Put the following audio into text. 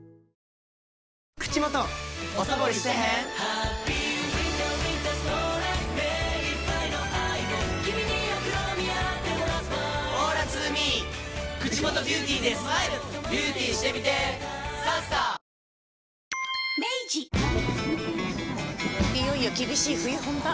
いよいよ厳しい冬本番。